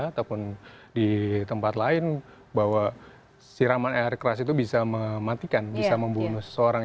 ataupun di tempat lain bahwa siraman air keras itu bisa mematikan bisa membunuh seseorang